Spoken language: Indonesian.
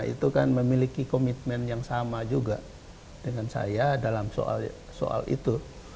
itu kan memiliki komitmen yang sama juga dengan saya dalam soal itu